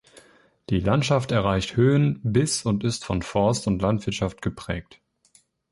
Die Landschaft erreicht Höhen bis und ist von Forst- und Landwirtschaft geprägt.